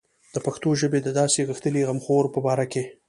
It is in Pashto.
د پښتو ژبې د داسې غښتلي غمخور په باره کې.